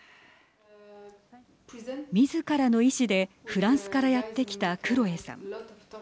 みずからの意思でフランスからやってきたクロエさん。